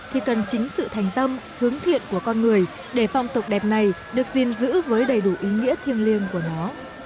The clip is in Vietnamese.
thì cần chính sự thành tâm hướng thiện của con người để phong tục đẹp này được gìn giữ với đầy đủ ý nghĩa thiêng liêng của nó